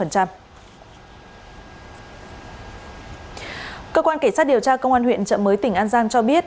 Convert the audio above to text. cơ quan cảnh sát điều tra công an huyện trợ mới tỉnh an giang cho biết